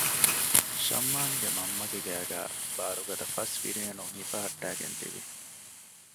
ޝަމްއާންގެ މަންމަގެ ގައިގައި ބާރުގަދަ ފަސް ފިރިހެނުން ހިފަހައްޓައިގެން ތިވި